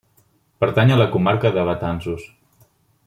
Pertany a la Comarca de Betanzos.